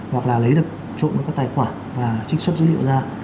hoặc là lấy được trộn với các tài khoản và trích xuất dữ liệu ra